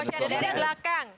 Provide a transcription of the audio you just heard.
jadi di belakang